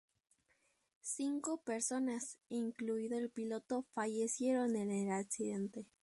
Cinco personas, incluido el piloto fallecieron en el accidente.